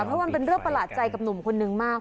เพราะมันเป็นเรื่องประหลาดใจกับหนุ่มคนนึงมาก